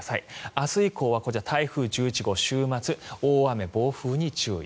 明日以降は台風１１号、週末大雨、暴風に注意。